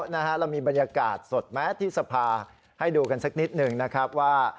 เรามีบรรยากาศสดไหมที่สภาให้ดูกันสักนิดหนึ่งนะครับว่า